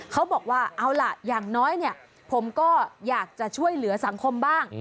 เขาบอกว่าเอาล่ะอย่างน้อยเนี่ยผมก็อยากจะช่วยเหลือสังคมบ้าง